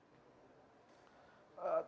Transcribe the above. terus terang saya tidak mau mengetahuinya